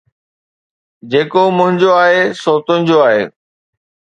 جيڪو منهنجو آهي سو تنهنجو آهي